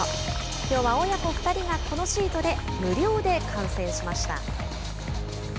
きょうは親子２人がこのシートで無料で観戦しました。